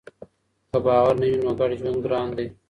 که باور نه وي نو ګډ ژوند ګران دی.